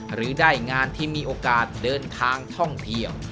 หรือได้งานที่มีโอกาสเดินทางท่องเที่ยว